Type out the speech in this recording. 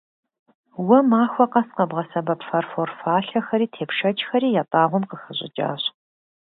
Уэ махуэ къэс къэбгъэсэбэп фарфор фалъэхэри тепшэчхэри ятӀагъуэм къыхэщӀыкӀащ.